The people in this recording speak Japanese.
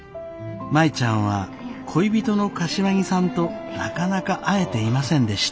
舞ちゃんは恋人の柏木さんとなかなか会えていませんでした。